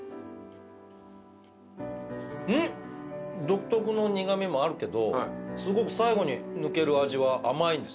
独特の苦味もあるけどすごく最後に抜ける味は甘いんですね。